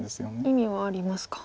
意味もありますか。